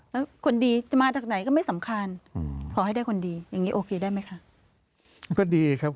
แล้วคนดีจะมาจากไหนก็ไม่สำคัญขอให้ได้คนดีอย่างงี้โอเคได้ไหมคะมันก็ดีครับ